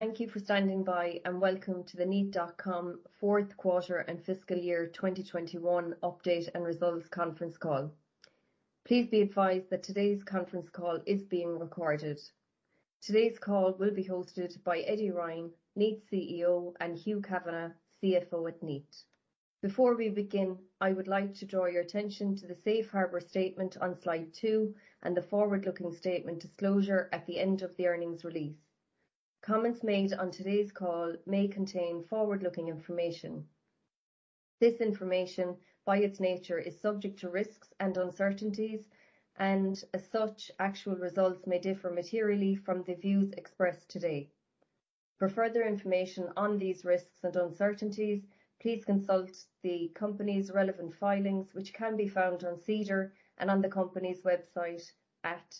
Thank you for standing by, and welcome to the Kneat.com Q4 and fiscal year 2021 update and results conference call. Please be advised that today's conference call is being recorded. Today's call will be hosted by Edmund Ryan, Kneat's CEO, and Hugh Kavanagh, CFO at Kneat. Before we begin, I would like to draw your attention to the Safe Harbor statement on slide 2 and the forward-looking statement disclosure at the end of the earnings release. Comments made on today's call may contain forward-looking information. This information, by its nature, is subject to risks and uncertainties and as such, actual results may differ materially from the views expressed today. For further information on these risks and uncertainties, please consult the company's relevant filings, which can be found on SEDAR and on the company's website at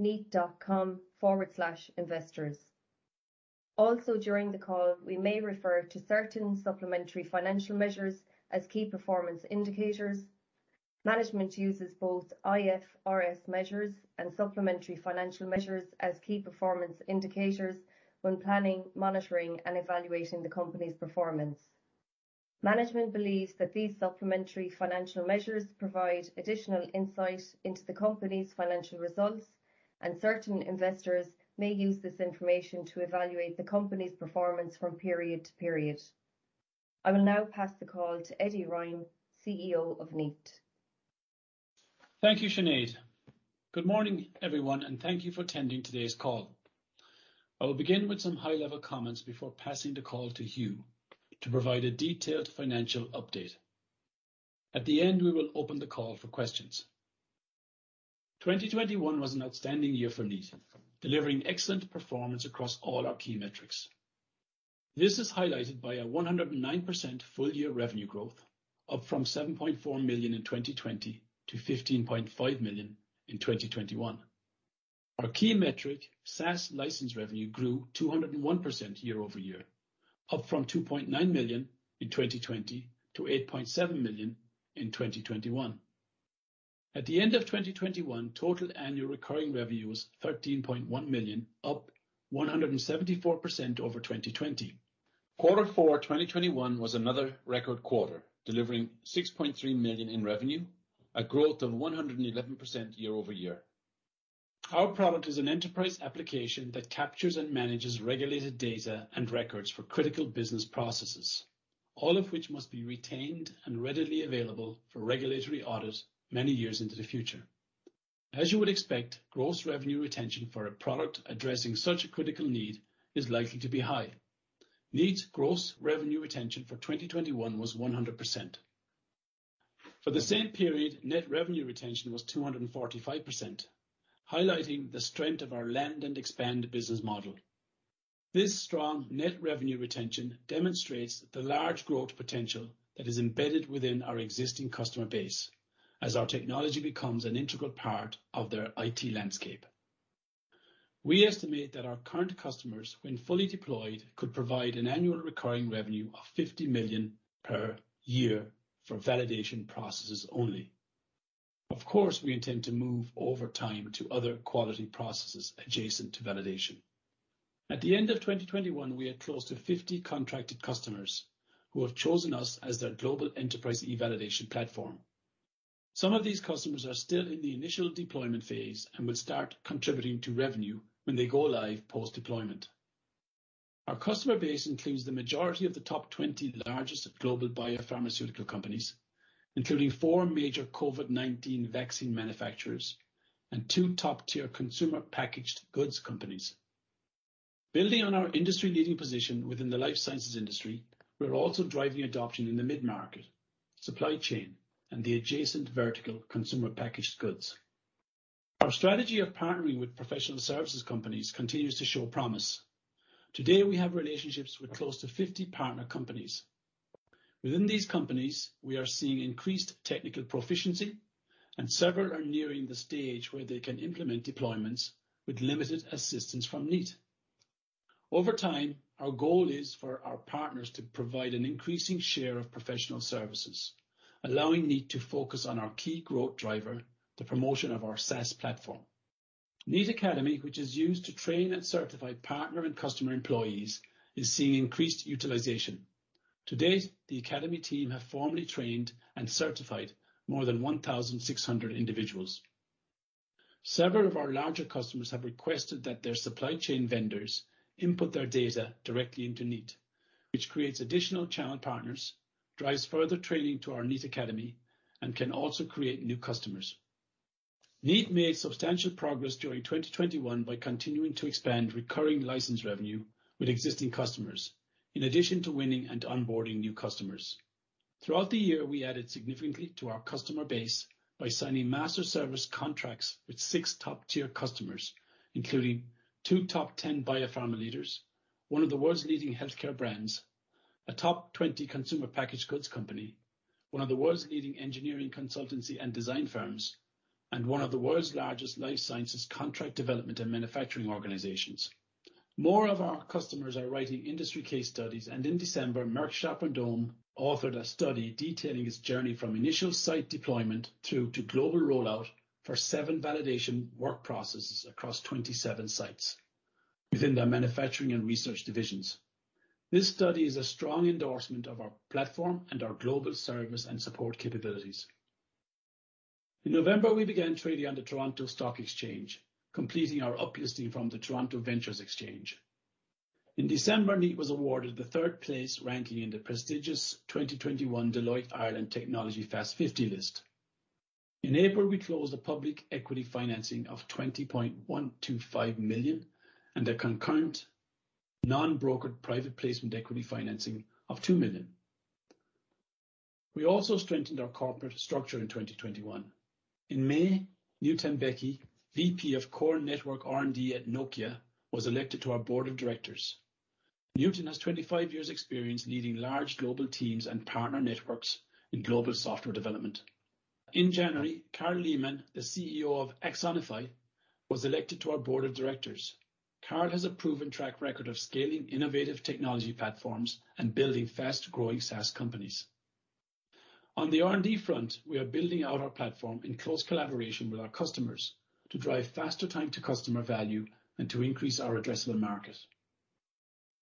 www.kneat.com/investors. Also, during the call, we may refer to certain supplementary financial measures as key performance indicators. Management uses both IFRS measures and supplementary financial measures as key performance indicators when planning, monitoring, and evaluating the company's performance. Management believes that these supplementary financial measures provide additional insight into the company's financial results, and certain investors may use this information to evaluate the company's performance from period to period. I will now pass the call to Edmund Ryan, CEO of Kneat. Thank you, Sinead. Good morning, everyone, and thank you for attending today's call. I will begin with some high-level comments before passing the call to Hugh to provide a detailed financial update. At the end, we will open the call for questions. 2021 was an outstanding year for Kneat, delivering excellent performance across all our key metrics. This is highlighted by a 109% full-year revenue growth, up from 7.4 million in 2020 to 15.5 million in 2021. Our key metric, SaaS license revenue, grew 201% year-over-year, up from 2.9 million in 2020 to 8.7 million in 2021. At the end of 2021, total annual recurring revenue was 13.1 million, up 174% over 2020. Q4 2021 was another record quarter, delivering 6.3 million in revenue, a growth of 111% year-over-year. Our product is an enterprise application that captures and manages regulated data and records for critical business processes, all of which must be retained and readily available for regulatory audits many years into the future. As you would expect, gross revenue retention for a product addressing such a critical need is likely to be high. Kneat's gross revenue retention for 2021 was 100%. For the same period, net revenue retention was 245%, highlighting the strength of our land and expand business model. This strong net revenue retention demonstrates the large growth potential that is embedded within our existing customer base as our technology becomes an integral part of their IT landscape. We estimate that our current customers, when fully deployed, could provide an annual recurring revenue of 50 million per year for validation processes only. Of course, we intend to move over time to other quality processes adjacent to validation. At the end of 2021, we had close to 50 contracted customers who have chosen us as their global enterprise e-validation platform. Some of these customers are still in the initial deployment phase and will start contributing to revenue when they go live post-deployment. Our customer base includes the majority of the top 20 largest global biopharmaceutical companies, including 4 major COVID-19 vaccine manufacturers and 2 top-tier consumer packaged goods companies. Building on our industry-leading position within the life sciences industry, we're also driving adoption in the mid-market, supply chain, and the adjacent vertical consumer packaged goods. Our strategy of partnering with professional services companies continues to show promise. To date, we have relationships with close to 50 partner companies. Within these companies, we are seeing increased technical proficiency, and several are nearing the stage where they can implement deployments with limited assistance from Kneat. Over time, our goal is for our partners to provide an increasing share of professional services, allowing Kneat to focus on our key growth driver, the promotion of our SaaS platform. Kneat Academy, which is used to train and certify partner and customer employees, is seeing increased utilization. To date, the academy team have formally trained and certified more than 1,600 individuals. Several of our larger customers have requested that their supply chain vendors input their data directly into Kneat, which creates additional channel partners, drives further training to our Kneat Academy, and can also create new customers. Kneat made substantial progress during 2021 by continuing to expand recurring license revenue with existing customers in addition to winning and onboarding new customers. Throughout the year, we added significantly to our customer base by signing master service contracts with six top-tier customers, including two top 10 biopharma leaders, one of the world's leading healthcare brands, a top 20 consumer packaged goods company, one of the world's leading engineering consultancy and design firms, and one of the world's largest life sciences contract development and manufacturing organizations. More of our customers are writing industry case studies, and in December, Merck Sharp & Dohme authored a study detailing its journey from initial site deployment through to global rollout for seven validation work processes across 27 sites within their manufacturing and research divisions. This study is a strong endorsement of our platform and our global service and support capabilities. In November, we began trading on the Toronto Stock Exchange, completing our up-listing from the TSX Venture Exchange. In December, Kneat was awarded the third place ranking in the prestigious 2021 Deloitte Ireland Technology Fast 50 list. In April, we closed a public equity financing of 20.125 million and a concurrent non-brokered private placement equity financing of 2 million. We also strengthened our corporate structure in 2021. In May, Nutan Bhogal, VP of Core Network R&D at Nokia, was elected to our board of directors. Nutan has 25 years' experience leading large global teams and partner networks in global software development. In January, Carol Leaman, the CEO of Axonify, was elected to our board of directors. Carol has a proven track record of scaling innovative technology platforms and building fast-growing SaaS companies. On the R&D front, we are building out our platform in close collaboration with our customers to drive faster time to customer value and to increase our addressable market.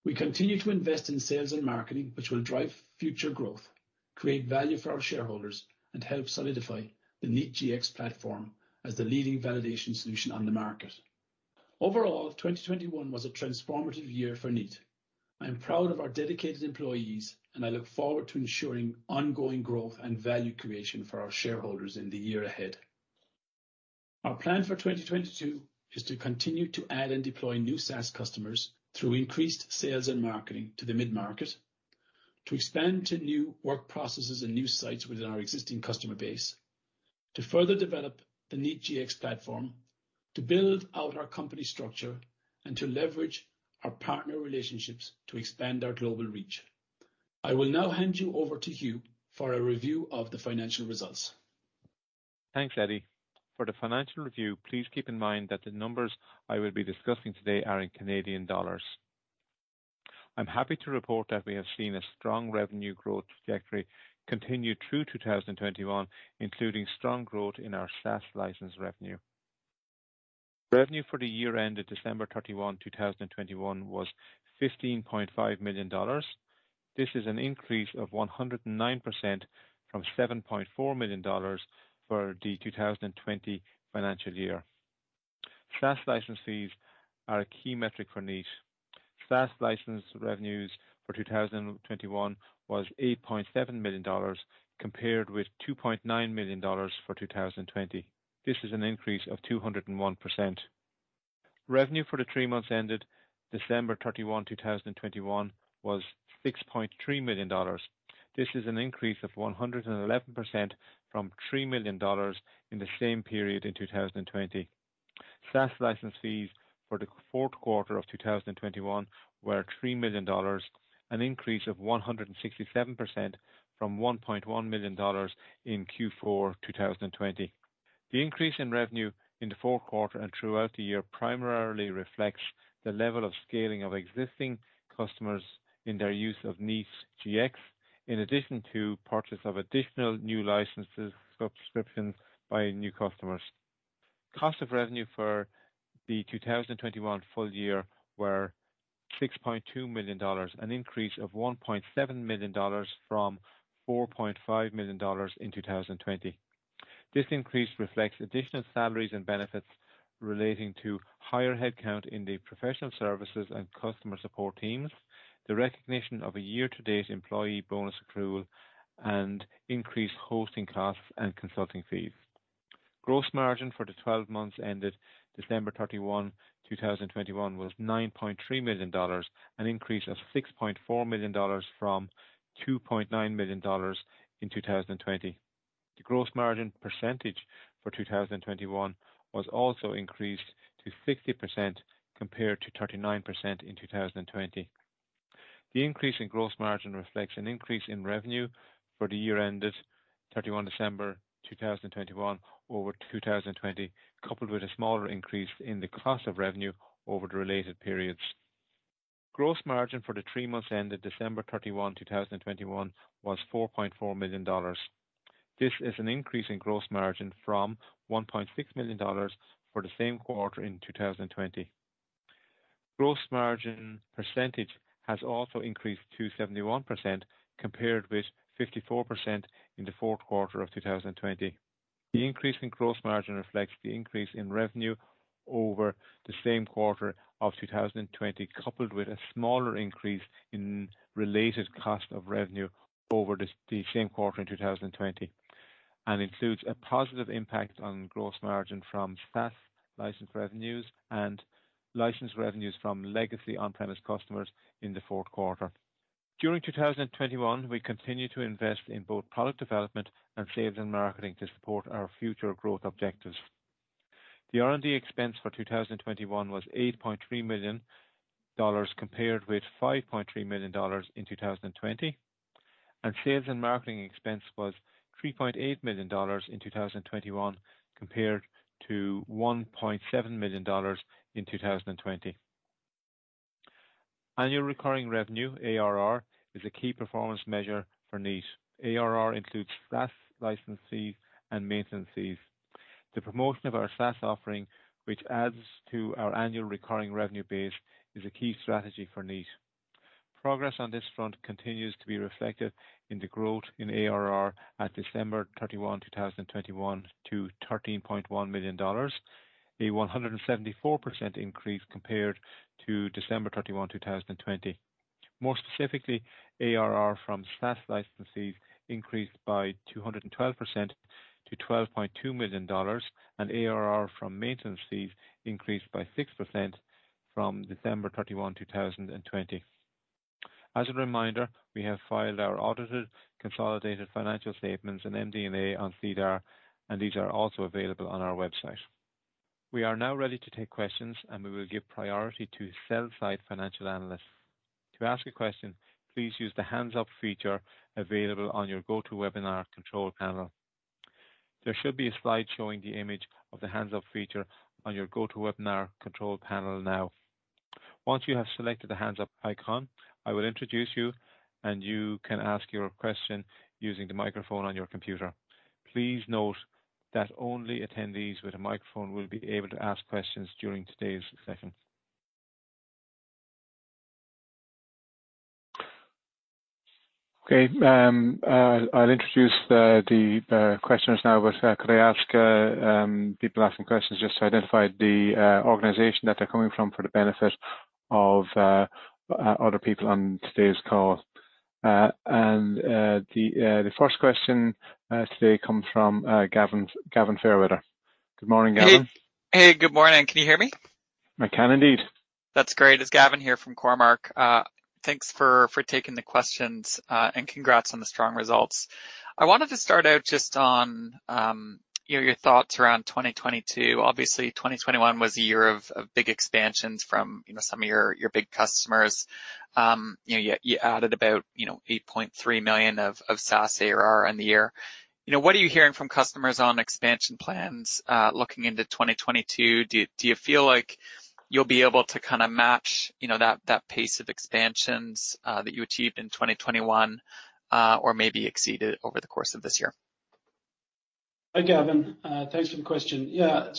We continue to invest in sales and marketing, which will drive future growth, create value for our shareholders, and help solidify the Kneat Gx platform as the leading validation solution on the market. Overall, 2021 was a transformative year for Kneat. I am proud of our dedicated employees, and I look forward to ensuring ongoing growth and value creation for our shareholders in the year ahead. Our plan for 2022 is to continue to add and deploy new SaaS customers through increased sales and marketing to the mid-market, to expand to new work processes and new sites within our existing customer base, to further develop the Kneat Gx platform, to build out our company structure, and to leverage our partner relationships to expand our global reach. I will now hand you over to Hugh for a review of the financial results. Thanks, Eddie. For the financial review, please keep in mind that the numbers I will be discussing today are in Canadian dollars. I'm happy to report that we have seen a strong revenue growth trajectory continue through 2021, including strong growth in our SaaS license revenue. Revenue for the year ended December 31, 2021 was 15.5 million dollars. This is an increase of 109% from 7.4 million dollars for the 2020 financial year. SaaS license fees are a key metric for Kneat. SaaS license revenues for 2021 was 8.7 million dollars, compared with 2.9 million dollars for 2020. This is an increase of 201%. Revenue for the three months ended December 31, 2021 was 6.3 million dollars. This is an increase of 111% from 3 million dollars in the same period in 2020. SaaS license fees for the Q4 of 2021 were 3 million dollars, an increase of 167% from 1.1 million dollars in Q4 2020. The increase in revenue in the Q4 and throughout the year primarily reflects the level of scaling of existing customers in their use of Kneat Gx, in addition to purchase of additional new licenses subscriptions by new customers. Cost of revenue for the 2021 full year was 6.2 million dollars, an increase of 1.7 million dollars from 4.5 million dollars in 2020. This increase reflects additional salaries and benefits relating to higher headcount in the professional services and customer support teams, the recognition of a year-to-date employee bonus accrual, and increased hosting costs and consulting fees. Gross margin for the twelve months ended December 31, 2021 was 9.3 million dollars, an increase of 6.4 million dollars from 2.9 million dollars in 2020. The gross margin percentage for 2021 was also increased to 60%, compared to 39% in 2020. The increase in gross margin reflects an increase in revenue for the year ended December 31, 2021 over 2020, coupled with a smaller increase in the cost of revenue over the related periods. Gross margin for the three months ended December 31, 2021 was 4.4 million dollars. This is an increase in gross margin from 1.6 million dollars for the same quarter in 2020. Gross margin percentage has also increased to 71%, compared with 54% in the Q4 of 2020. The increase in gross margin reflects the increase in revenue over the same quarter of 2020, coupled with a smaller increase in related cost of revenue over the same quarter in 2020, and includes a positive impact on gross margin from SaaS license revenues and license revenues from legacy on-premise customers in the Q4. During 2021, we continued to invest in both product development and sales and marketing to support our future growth objectives. The R&D expense for 2021 was 8.3 million dollars, compared with 5.3 million dollars in 2020. Sales and marketing expense was 3.8 million dollars in 2021 compared to 1.7 million dollars in 2020. Annual recurring revenue, ARR, is a key performance measure for Kneat. ARR includes SaaS licenses and maintenance fees. The promotion of our SaaS offering, which adds to our annual recurring revenue base, is a key strategy for Kneat. Progress on this front continues to be reflected in the growth in ARR at December 31, 2021 to CAD 13.1 million, a 174% increase compared to December 31, 2020. More specifically, ARR from SaaS licenses increased by 212% to 12.2 million dollars, and ARR from maintenance fees increased by 6% from December 31, 2020. As a reminder, we have filed our audited consolidated financial statements and MD&A on SEDAR, and these are also available on our website. We are now ready to take questions, and we will give priority to sell-side financial analysts. To ask a question, please use the hands up feature available on your GoTo Webinar control panel. There should be a slide showing the image of the hands up feature on your GoTo Webinar control panel now. Once you have selected the hands up icon, I will introduce you, and you can ask your question using the microphone on your computer. Please note that only attendees with a microphone will be able to ask questions during today's session. Okay, I'll introduce the questioners now, but could I ask people asking questions just to identify the organization that they're coming from for the benefit of other people on today's call. The first question today comes from Gavin Fairweather. Good morning, Gavin. Good morning. Can you hear me? I can indeed. That's great. It's Gavin Fairweather here from Cormark. Thanks for taking the questions, and congrats on the strong results. I wanted to start out just on, you know, your thoughts around 2022. Obviously, 2021 was a year of big expansions from, you know, some of your big customers. You know, you added about, you know, 8.3 million of SaaS ARR in the year. You know, what are you hearing from customers on expansion plans looking into 2022? Do you feel like you'll be able to kinda match, you know, that pace of expansions that you achieved in 2021, or maybe exceed it over the course of this year? Hi, Gavin. Thanks for the question. Yeah.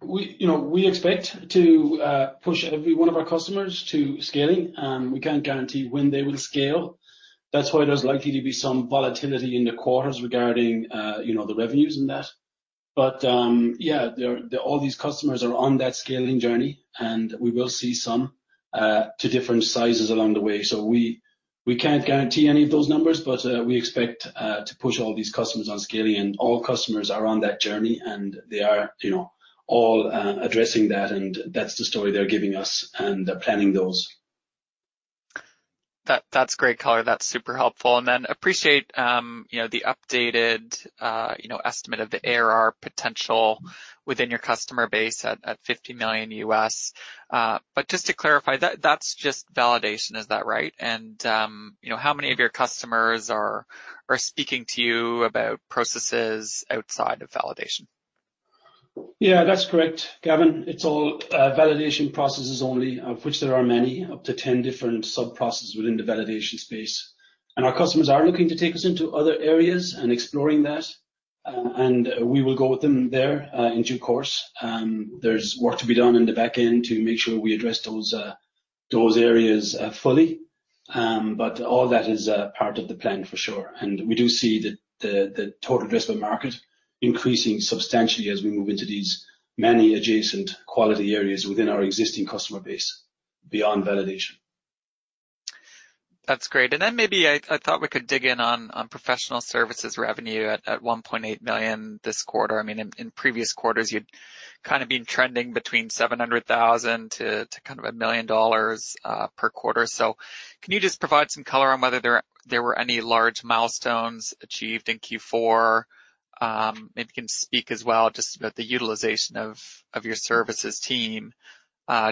We, you know, we expect to push every one of our customers to scaling, and we can't guarantee when they will scale. That's why there's likely to be some volatility in the quarters regarding, you know, the revenues in that. They're all these customers are on that scaling journey, and we will see some to different sizes along the way. We can't guarantee any of those numbers, but we expect to push all these customers on scaling, and all customers are on that journey, and they are, you know, all addressing that, and that's the story they're giving us, and they're planning those. That's great color. That's super helpful. I appreciate the updated estimate of the ARR potential within your customer base at $50 million. But just to clarify, that's just validation. Is that right? How many of your customers are speaking to you about processes outside of validation? Yeah, that's correct, Gavin. It's all validation processes only, of which there are many, up to 10 different sub-processes within the validation space. Our customers are looking to take us into other areas and exploring that, and we will go with them there, in due course. There's work to be done in the back end to make sure we address those areas fully. But all that is part of the plan for sure. We do see the total addressable market increasing substantially as we move into these many adjacent quality areas within our existing customer base beyond validation. That's great. Maybe I thought we could dig in on professional services revenue at 1.8 million this quarter. I mean, in previous quarters, you'd kind of been trending between 700,000 to kind of a 1 million dollars per quarter. Can you just provide some color on whether there were any large milestones achieved in Q4? Maybe you can speak as well just about the utilization of your services team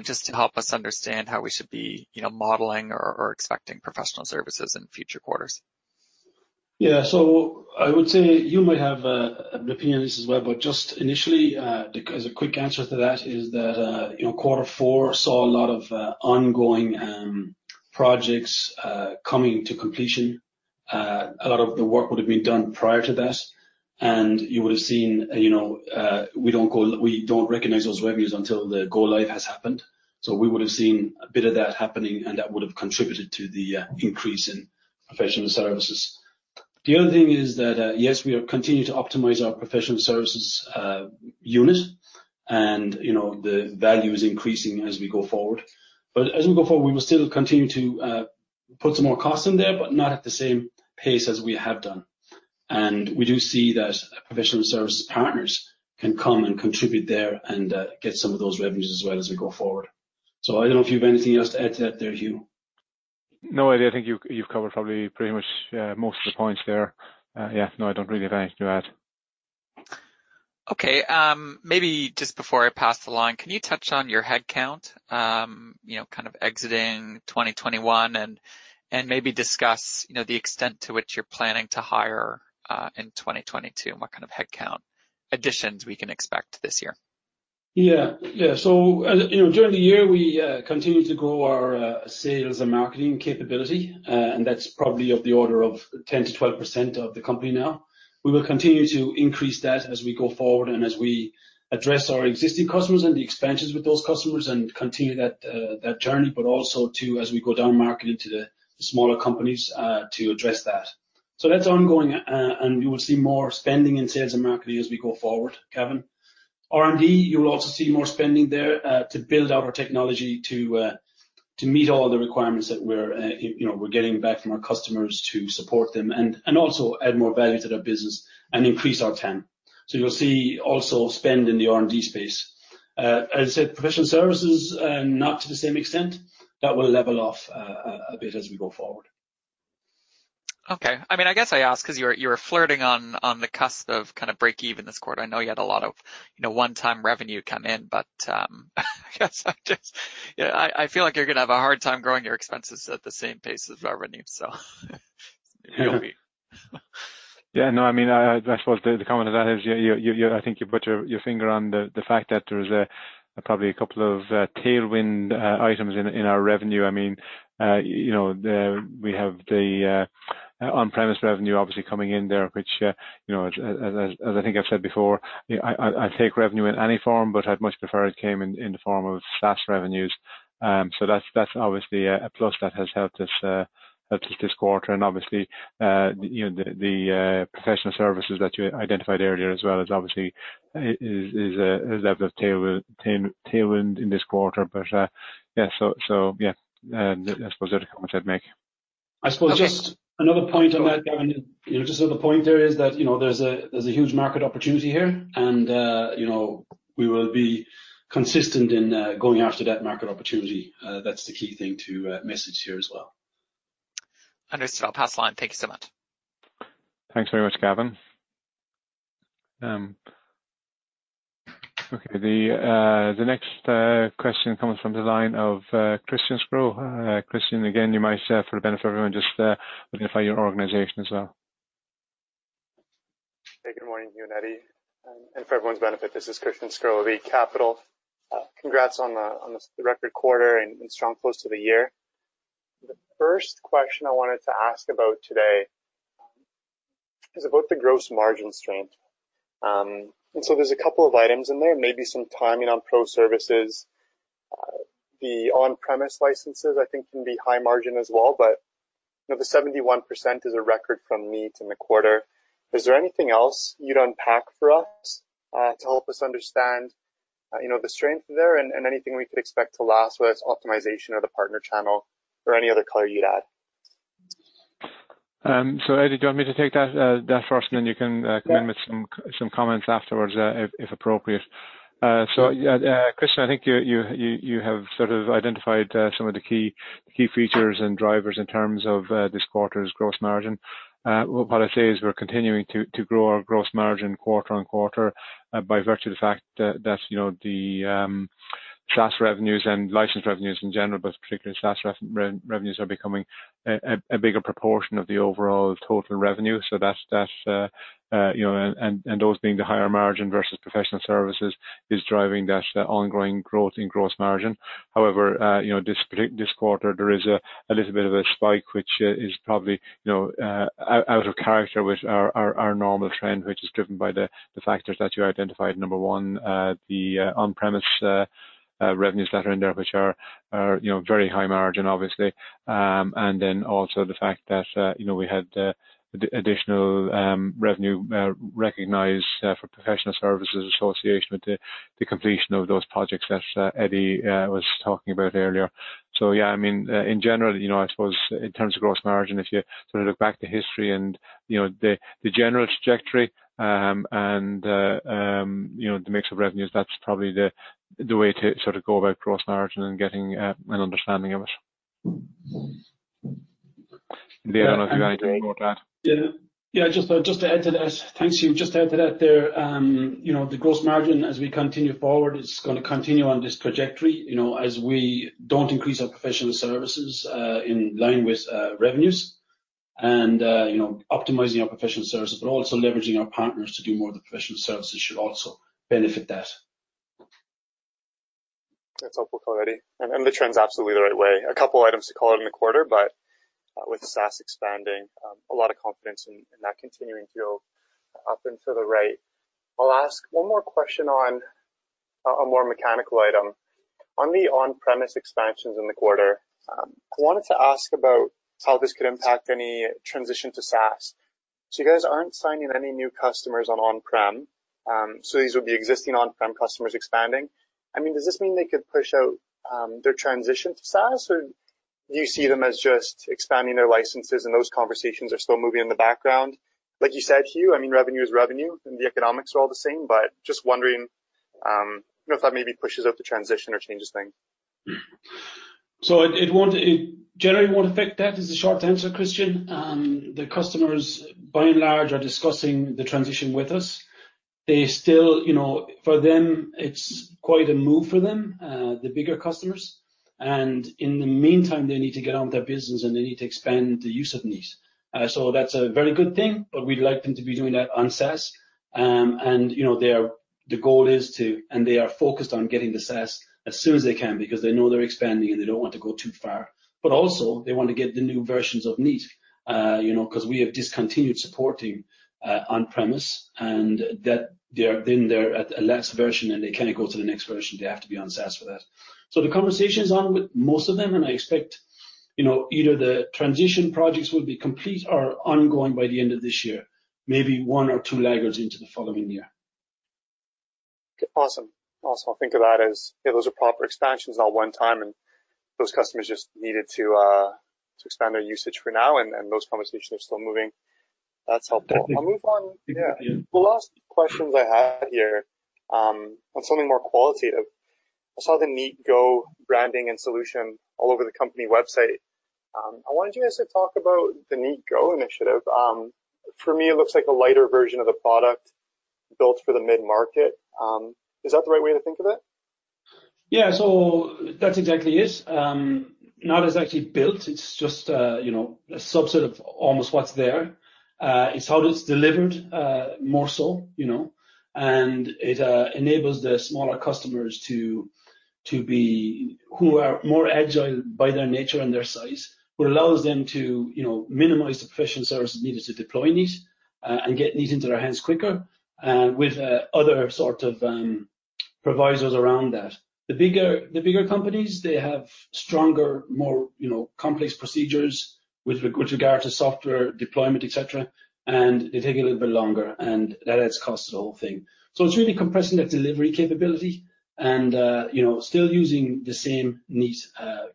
just to help us understand how we should be you know modeling or expecting professional services in future quarters. Yeah. I would say you might have an opinion on this as well, but just initially, as a quick answer to that is that, you know, quarter four saw a lot of ongoing projects coming to completion. A lot of the work would have been done prior to that. You would have seen, you know, we don't recognize those revenues until the go live has happened. So we would have seen a bit of that happening, and that would have contributed to the increase in professional services. The other thing is that, yes, we are continuing to optimize our professional services unit. You know, the value is increasing as we go forward. As we go forward, we will still continue to put some more costs in there, but not at the same pace as we have done. We do see that professional services partners can come and contribute there and get some of those revenues as well as we go forward. I don't know if you have anything else to add to that there, Hugh. No, Eddie, I think you've covered probably pretty much most of the points there. Yeah. No, I don't really have anything to add. Okay. Maybe just before I pass the line, can you touch on your head count, you know, kind of exiting 2021 and maybe discuss, you know, the extent to which you're planning to hire in 2022 and what kind of head count additions we can expect this year. As you know, during the year we continued to grow our sales and marketing capability, and that's probably of the order of 10%-12% of the company now. We will continue to increase that as we go forward and as we address our existing customers and the expansions with those customers and continue that journey, but also too as we go down marketing to the smaller companies to address that. That's ongoing, and we will see more spending in sales and marketing as we go forward, Gavin. R&D, you'll also see more spending there to build out our technology to meet all the requirements that we're, you know, getting back from our customers to support them and also add more value to their business and increase our TAM. You'll see also spend in the R&D space. As I said, professional services, not to the same extent. That will level off a bit as we go forward. Okay. I mean, I guess I ask 'cause you were flirting on the cusp of kind of breakeven this quarter. I know you had a lot of, you know, one-time revenue come in, but yeah, I feel like you're gonna have a hard time growing your expenses at the same pace as revenue. It'll be. Yeah. No, I mean, I suppose the comment to that is you I think you put your finger on the fact that there is probably a couple of tailwind items in our revenue. I mean, you know, we have the on-premise revenue obviously coming in there which you know as I think I've said before you know I take revenue in any form but I'd much prefer it came in the form of SaaS revenues. That's obviously a plus that has helped us this quarter and obviously you know the professional services that you identified earlier as well is a bit of tailwind in this quarter. Yeah, so yeah. I suppose that's the comment I'd make. Okay. I suppose just another point on that, Gavin. You know, just as a point, there is that, you know, there's a huge market opportunity here and, you know, we will be consistent in going after that market opportunity. That's the key thing to message here as well. Understood. I'll pass the line. Thank you so much. Thanks very much, Gavin. Okay. The next question comes from the line of Christian Sgro. Christian, again, you might for the benefit of everyone, just identify your organization as well. Good morning, Hugh and Eddie. For everyone's benefit, this is Christian Sgro of Eight Capital. Congrats on the record quarter and strong close to the year. The first question I wanted to ask about today is about the gross margin strength. There's a couple of items in there, maybe some timing on pro services. The on-premise licenses I think can be high margin as well, but you know, the 71% is a record for the quarter. Is there anything else you'd unpack for us to help us understand you know, the strength there and anything we could expect to last, whether it's optimization or the partner channel or any other color you'd add? Eddie, do you want me to take that first and then you can come in with some comments afterwards, if appropriate? Yeah, Christian, I think you have sort of identified some of the key features and drivers in terms of this quarter's gross margin. What I'd say is we're continuing to grow our gross margin quarter on quarter by virtue of the fact that, you know, the SaaS revenues and license revenues in general, but particularly SaaS revenues are becoming a bigger proportion of the overall total revenue. That's, you know, and those being the higher margin versus professional services is driving that ongoing growth in gross margin. However, you know, this quarter there is a little bit of a spike which is probably you know out of character with our normal trend, which is driven by the factors that you identified. Number one, the on-premise revenues that are in there which are you know very high margin obviously. Then also the fact that you know we had additional revenue recognized for professional services associated with the completion of those projects that Eddie was talking about earlier. Yeah, I mean, in general, you know, I suppose in terms of gross margin, if you sort of look back to history and, you know, the general trajectory, and you know, the mix of revenues, that's probably the way to sort of go about gross margin and getting an understanding of it. Eddie, I don't know if you've anything to add. Yeah. Just to add to this. Thanks, Hugh. Just to add to that there, you know, the gross margin as we continue forward is gonna continue on this trajectory, you know, as we don't increase our professional services in line with revenues and, you know, optimizing our professional services, but also leveraging our partners to do more of the professional services should also benefit that. That's helpful, Eddie. The trend's absolutely the right way. A couple items to call out in the quarter, but with SaaS expanding, a lot of confidence in that continuing to go up and to the right. I'll ask one more question on a more mechanical item. On the on-premise expansions in the quarter, I wanted to ask about how this could impact any transition to SaaS. You guys aren't signing any new customers on on-prem, so these would be existing on-prem customers expanding. I mean, does this mean they could push out their transition to SaaS or do you see them as just expanding their licenses and those conversations are still moving in the background? Like you said, Hugh, I mean, revenue is revenue and the economics are all the same, but just wondering if that maybe pushes out the transition or changes things. It generally won't affect that. That is the short answer, Christian. The customers by and large are discussing the transition with us. They still, you know, for them, it's quite a move for them, the bigger customers. In the meantime, they need to get on with their business, and they need to expand the use of Kneat. That's a very good thing, but we'd like them to be doing that on SaaS. You know, the goal is to, and they are focused on getting to SaaS as soon as they can because they know they're expanding, and they don't want to go too far. Also they want to get the new versions of Kneat, you know, 'cause we have discontinued supporting on-premise, and then they're at a less version, and they cannot go to the next version. They have to be on SaaS for that. The conversation's on with most of them, and I expect, you know, either the transition projects will be complete or ongoing by the end of this year, maybe one or two laggards into the following year. Okay, awesome. Also think of that as those are proper expansions all one time, and those customers just needed to expand their usage for now, and those conversations are still moving. That's helpful. I'll move on. Yeah. The last questions I had here, on something more qualitative. I saw the Kneat Go branding and solution all over the company website. I wanted you guys to talk about the Kneat Go initiative. For me, it looks like a lighter version of the product built for the mid-market. Is that the right way to think of it? Yeah, that's exactly it. Not actually built, it's just, you know, a subset of almost what's there. It's how it's delivered, more so, you know. It enables the smaller customers who are more agile by their nature and their size. It allows them to, you know, minimize the professional services needed to deploy Kneat and get Kneat into their hands quicker, with other sort of providers around that. The bigger companies, they have stronger, more, you know, complex procedures with regard to software deployment, et cetera, and they take a little bit longer, and that adds cost to the whole thing. It's really compressing that delivery capability and, you know, still using the same Kneat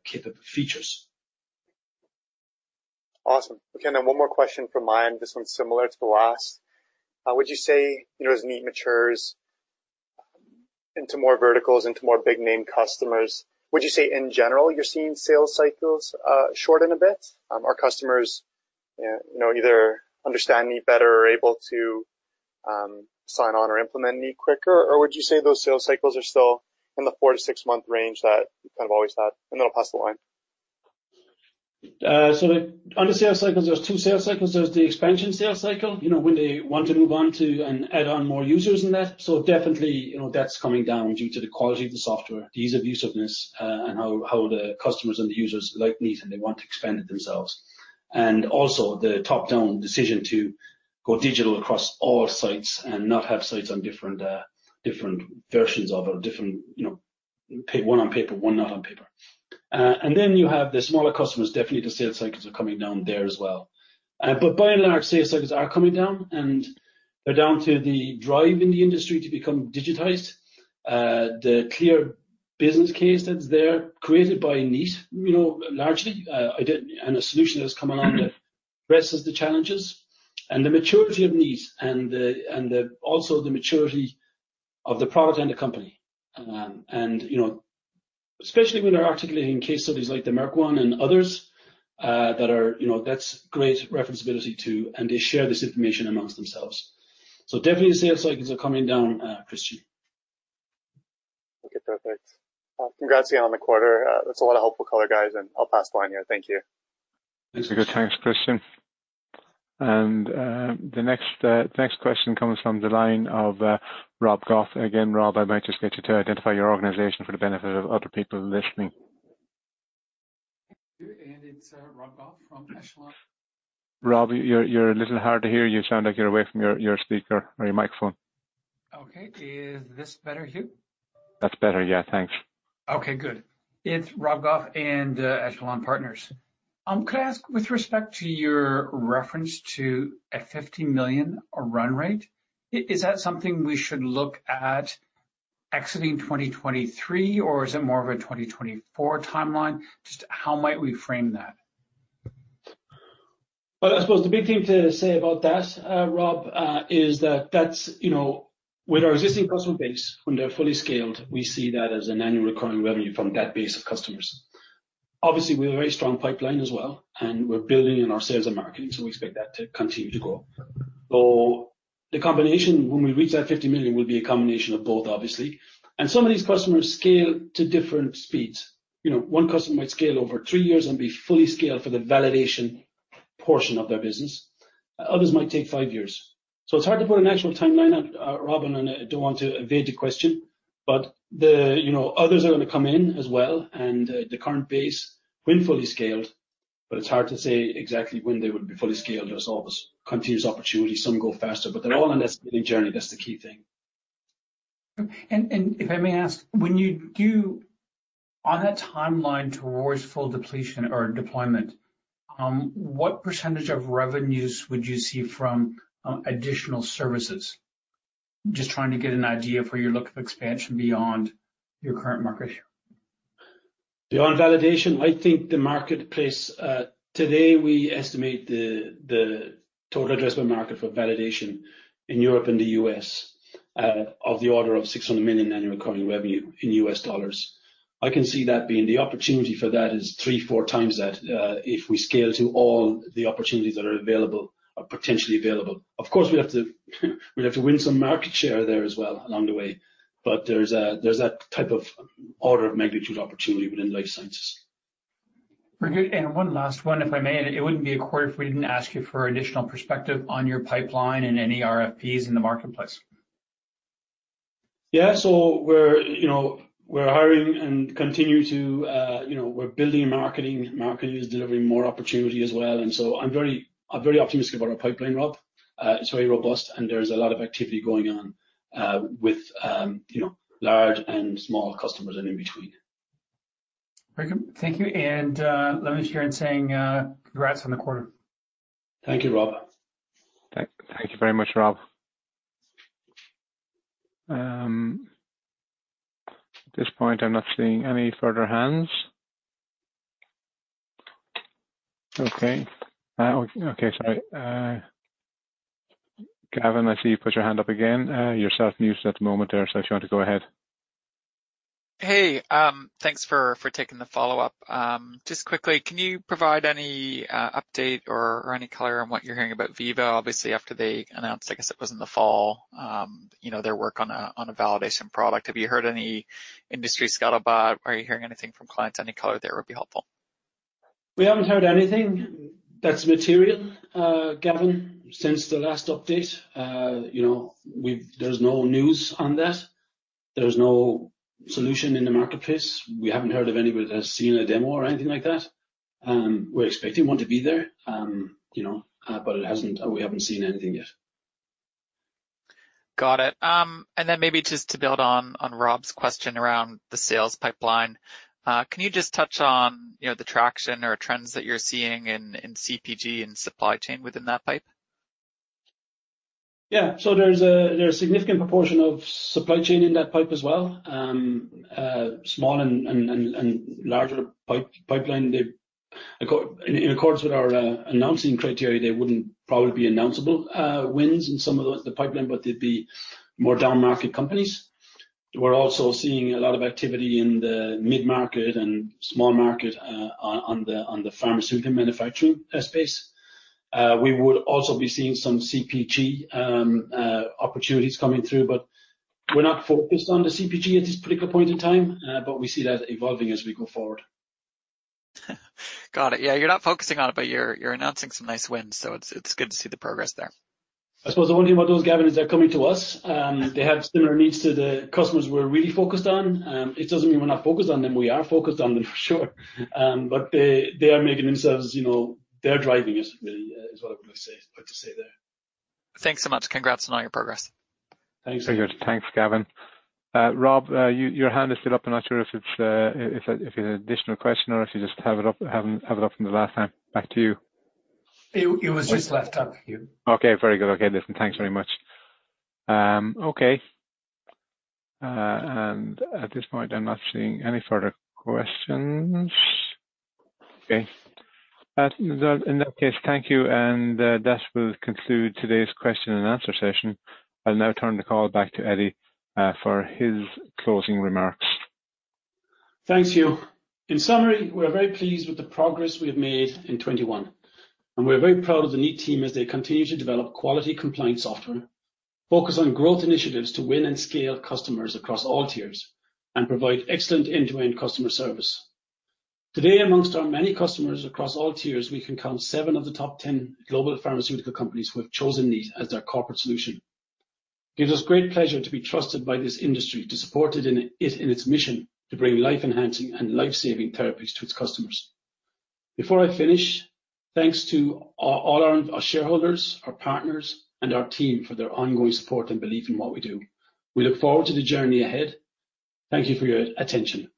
capable features. Awesome. Okay, one more question from my end. This one's similar to the last. Would you say, you know, as Kneat matures into more verticals, into more big-name customers, would you say in general you're seeing sales cycles shorten a bit? Are customers, you know, either understand Kneat better or able to sign on or implement Kneat quicker? Or would you say those sales cycles are still in the 4-6-month range that you kind of always had? I'll pass the line. On the sales cycles, there's two sales cycles. There's the expansion sales cycle, you know, when they want to move on to and add on more users and that. Definitely, you know, that's coming down due to the quality of the software, the ease of use of Kneat, and how the customers and the users like Kneat, and they want to expand it themselves. And also the top-down decision to go digital across all sites and not have sites on different versions of it or different, you know, one on paper, one not on paper. You have the smaller customers, definitely the sales cycles are coming down there as well. By and large, sales cycles are coming down, and they're down to the drive in the industry to become digitized. The clear business case that's there created by Kneat, you know, largely, and a solution that's come along that addresses the challenges and the maturity of Kneat and the also the maturity of the product and the company. And, you know, especially when they're articulating case studies like the Merck one and others, that are, you know, that's great referenceability too, and they share this information amongst themselves. Definitely the sales cycles are coming down, Christian. Okay, perfect. Congrats again on the quarter. That's a lot of helpful color, guys, and I'll pass the line here. Thank you. Thanks. Good. Thanks, Christian. The next question comes from the line of Rob Goff. Again, Rob, I might just get you to identify your organization for the benefit of other people listening. Thank you. It's Rob Goff from Echelon. Rob, you're a little hard to hear. You sound like you're away from your speaker or your microphone. Okay. Is this better, Hugh? That's better. Yeah, thanks. Okay, good. It's Rob Goff with Echelon Wealth Partners. Could I ask, with respect to your reference to a 50 million run rate, is that something we should look at exiting 2023, or is it more of a 2024 timeline? Just how might we frame that? Well, I suppose the big thing to say about that, Rob, is that that's, you know, with our existing customer base, when they're fully scaled, we see that as an annual recurring revenue from that base of customers. Obviously, we have a very strong pipeline as well, and we're building in our sales and marketing, so we expect that to continue to grow. The combination when we reach that 50 million will be a combination of both, obviously. Some of these customers scale to different speeds. You know, one customer might scale over three years and be fully scaled for the validation portion of their business. Others might take five years. It's hard to put an actual timeline on, Rob, and I don't want to evade the question, but the, you know, others are gonna come in as well and the current base when fully scaled, but it's hard to say exactly when they would be fully scaled. There's always continuous opportunities. Some go faster, but they're all on that scaling journey. That's the key thing. If I may ask, when you do on a timeline towards full deployment, what percentage of revenues would you see from additional services? Just trying to get an idea for your outlook for expansion beyond your current market share. Beyond validation, I think the marketplace today we estimate the total addressable market for validation in Europe and the U.S. of the order of $600 million annual recurring revenue in US dollars. I can see that being the opportunity for that is 3-4 times that if we scale to all the opportunities that are available or potentially available. Of course, we'd have to win some market share there as well along the way. There's that type of order of magnitude opportunity within life sciences. Very good. One last one, if I may. It wouldn't be a quarter if we didn't ask you for additional perspective on your pipeline and any RFPs in the marketplace. Yeah. We're, you know, we're hiring and continue to, you know, we're building marketing. Marketing is delivering more opportunity as well. I'm very optimistic about our pipeline, Rob. It's very robust, and there's a lot of activity going on with you know, large and small customers and in between. Very good. Thank you. Let me just join in saying congrats on the quarter. Thank you, Rob. Thank you very much, Rob. At this point, I'm not seeing any further hands. Okay. Okay, sorry. Gavin, I see you put your hand up again. You're self-muted at the moment there, so if you want to go ahead. Thanks for taking the follow-up. Just quickly, can you provide any update or any color on what you're hearing about Veeva? Obviously, after they announced, I guess it was in the fall, you know, their work on a validation product. Have you heard any industry scuttlebutt? Are you hearing anything from clients? Any color there would be helpful. We haven't heard anything that's material, Gavin, since the last update. There's no news on that. There's no solution in the marketplace. We haven't heard of anybody that has seen a demo or anything like that. We're expecting one to be there, but we haven't seen anything yet. Got it. Maybe just to build on Rob's question around the sales pipeline, can you just touch on, you know, the traction or trends that you're seeing in CPG and supply chain within that pipe? There's a significant proportion of supply chain in that pipe as well. Small and larger pipeline. In accordance with our announcing criteria, they wouldn't probably be announceable wins in some of the pipeline, but they'd be more downmarket companies. We're also seeing a lot of activity in the mid-market and small market on the pharmaceutical manufacturing space. We would also be seeing some CPG opportunities coming through, but we're not focused on the CPG at this particular point in time. We see that evolving as we go forward. Got it. Yeah, you're not focusing on it, but you're announcing some nice wins, so it's good to see the progress there. I suppose the only thing about those, Gavin, is they're coming to us. They have similar needs to the customers we're really focused on. It doesn't mean we're not focused on them. We are focused on them for sure. They are making themselves, you know, they're driving us really, is what I would say, like to say there. Thanks so much. Congrats on all your progress. Thanks. Very good. Thanks, Gavin. Rob, your hand is still up. I'm not sure if you had additional question or if you just have it up from the last time. Back to you. It was just left up, Hugh. Okay, very good. Listen, thanks very much. At this point, I'm not seeing any further questions. In that case, thank you. That will conclude today's question and answer session. I'll now turn the call back to Eddie for his closing remarks. Thanks, Hugh. In summary, we're very pleased with the progress we have made in 2021, and we're very proud of the Kneat team as they continue to develop quality compliance software, focus on growth initiatives to win and scale customers across all tiers, and provide excellent end-to-end customer service. Today, amongst our many customers across all tiers, we can count seven of the top ten global pharmaceutical companies who have chosen Kneat as their corporate solution. It gives us great pleasure to be trusted by this industry to support it in its mission to bring life-enhancing and life-saving therapies to its customers. Before I finish, thanks to all our shareholders, our partners, and our team for their ongoing support and belief in what we do. We look forward to the journey ahead. Thank you for your attention.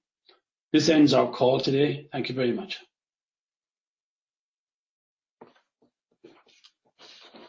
This ends our call today. Thank you very much.